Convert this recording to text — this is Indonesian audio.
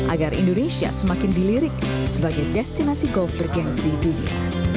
agar indonesia semakin dilirik sebagai destinasi golf bergensi dunia